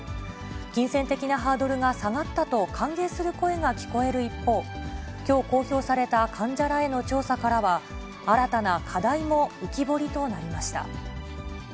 金銭的なハードルが下がったと歓迎する声が聞こえる一方、きょう、公表された患者らへの調査からは、新たな課題も浮き彫りとなりました。